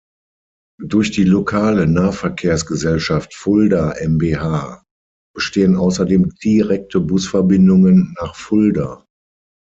Durch die Lokale Nahverkehrsgesellschaft Fulda mbH bestehen außerdem direkte Busverbindungen nach Fulda.